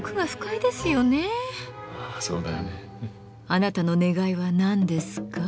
あなたの願いは何ですか？